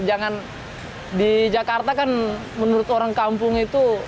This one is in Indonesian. jangan di jakarta kan menurut orang kampung itu